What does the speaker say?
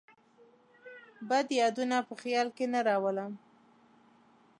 بد یادونه په خیال کې نه راولم.